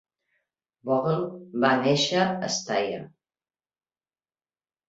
Vogl va néixer a Steyr.